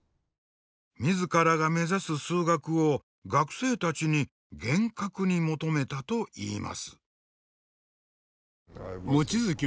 自らが目指す数学を学生たちに厳格に求めたといいます。